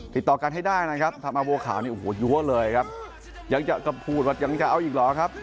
ติดต่อกันให้ได้นะครับทำมาบัวข่าวโอ้โฮยังจะกระพูดหรืออีกหรอครับ